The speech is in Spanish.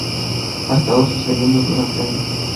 Ha estado sucediendo durante años.